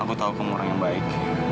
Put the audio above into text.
aku tahu kamu orang yang baik